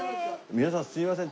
皆さんすいません。